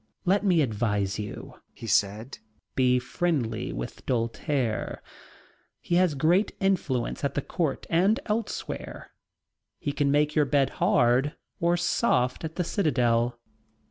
"Let me advise you," he said, "be friendly with Doltaire. He has great influence at the Court and elsewhere. He can make your bed hard or soft at the citadel."